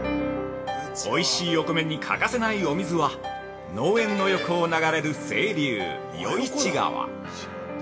◆おいしいお米に欠かせないお水は農園の横を流れる清流、余市川。